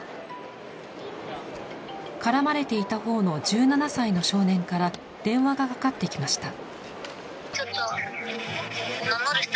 からまれていたほうの１７歳の少年から電話がかかってきました。